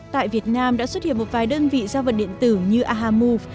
tại việt nam đã xuất hiện một vài đơn vị giao vận điện tử như aha move